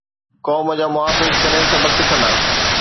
قوم جا محافظ ڪڏھن سبق سکندا؟